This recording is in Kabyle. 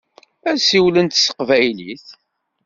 Ad siwlent s teqbaylit.